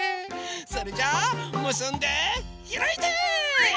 それじゃあむすんでひらいて！